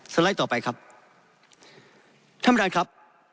ไลด์ต่อไปครับท่านประธานครับ